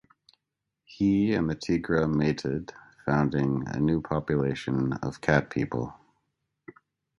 He and the Tigra mated, founding a new population of Cat People.